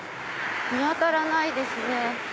見当たらないですね。